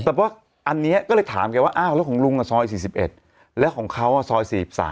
แต่ประกอบนี้ก็เลยถามว่าของลุงน่ะซอย๔๑แล้วด้านของเขาซอย๔๓